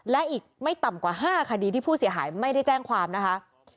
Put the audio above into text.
และอีกไม่ต่ำกว่า๕คดีที่ผู้เสียหายไม่ได้แจ้งความนะคะ